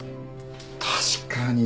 確かに。